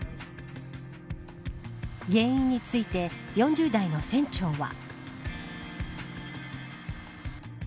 原因について、４０代の船長は。